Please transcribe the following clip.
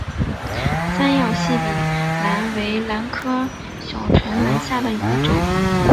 三药细笔兰为兰科小唇兰属下的一个种。